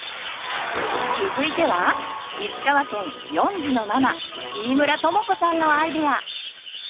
続いては石川県４児のママ飯村友子さんのアイデア！